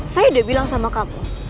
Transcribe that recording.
saya udah bilang sama kamu